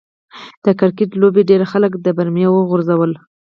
د کرکټ لوبې ډېر خلک د برمې و غورځول.